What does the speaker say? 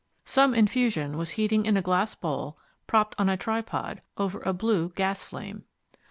Some infusion was heating in a glass bowl propped on a tripod over a blue gas flame.